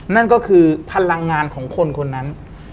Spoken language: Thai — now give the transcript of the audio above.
นั่นก็คือพลังงานของคนคนนั้น